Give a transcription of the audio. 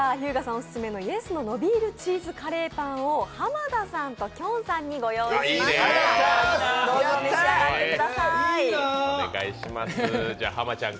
オススメのＹＥＳ！ののびーるチーズカレーパンを濱田さんときょんさんに、ご用意しました、召し上がってください。